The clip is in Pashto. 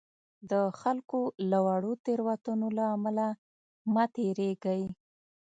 د خلکو له واړو تېروتنو له امله مه تېرېږئ.